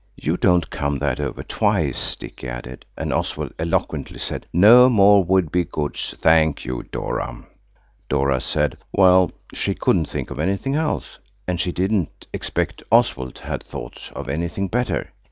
"You don't come that over us twice," Dicky added. And Oswald eloquently said, "No more Would be Goods, thank you, Dora." Dora said, well, she couldn't think of anything else. And she didn't expect Oswald had thought of anything better.